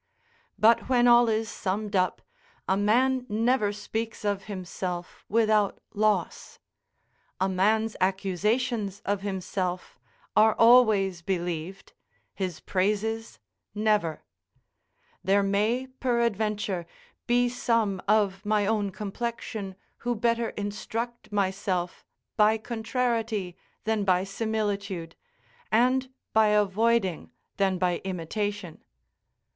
But, when all is summed up, a man never speaks of himself without loss; a man's accusations of himself are always believed; his praises never: There may, peradventure, be some of my own complexion who better instruct myself by contrariety than by similitude, and by avoiding than by imitation.